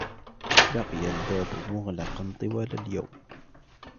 بقي الباب مغلقًا طوال اليوم.